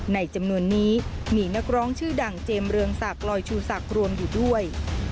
ในจำนวนนี้มีนักร้องชื่อดังเจมส์เรืองศักดิ์ลอยชูศักดิ์รวมอยู่ด้วย